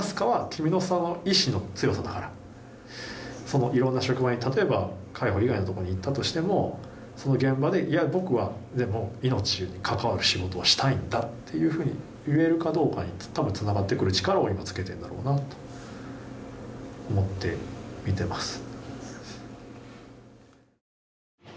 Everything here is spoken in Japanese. そのいろんな職場に例えば海保以外のところに行ったとしてもその現場で「いや僕はでも命に関わる仕事をしたいんだ」というふうに言えるかどうかに多分つながってくる力を今つけてるんだろうなと思って見てます。